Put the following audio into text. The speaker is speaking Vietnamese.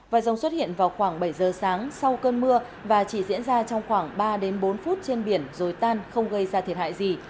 vòi rồng xuất hiện vào khoảng bảy giờ sáng sau cơn mưa và chỉ diễn ra trong khoảng ba đến bốn phút trên biển rồi tan không gây ra thiệt hại gì